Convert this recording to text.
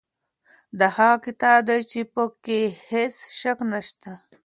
دا هغه کتاب دی چې په کې هیڅ شک نشته.